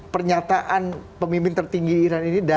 pernyataan pemimpin tertinggi iran ini